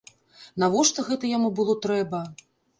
Навошта гэта яму было трэба?